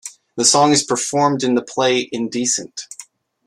The song is performed in the play "Indecent".